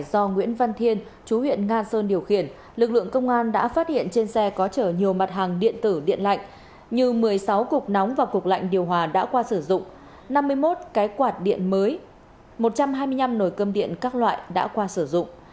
do nguyễn văn thiên chú huyện nga sơn điều khiển lực lượng công an đã phát hiện trên xe có chở nhiều mặt hàng điện tử điện lạnh như một mươi sáu cục nóng và cục lạnh điều hòa đã qua sử dụng năm mươi một cái quạt điện mới một trăm hai mươi năm nồi cơm điện các loại đã qua sử dụng